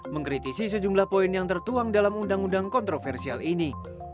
mengkritisi sejumlah poin yang tertuang dalam undang undang kontroversial ini